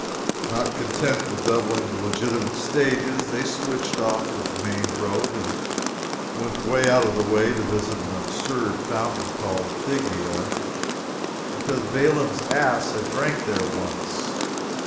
Not content with doubling the legitimate stages, they switched off the main road and went away out of the way to visit an absurd fountain called Figia, because Baalam's ass had drank there once.